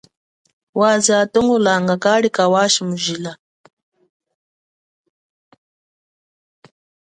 Waze atongolanga kali kawashi mujila.